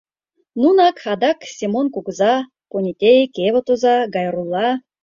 Нунак, адак Семон кугыза, понетей, кевыт оза, Гайрулла.